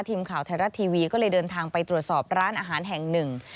ทีมข่าวไทยรัฐทีวีก็เลยเดินทางไปตรวจสอบร้านอาหารแห่งหนึ่ง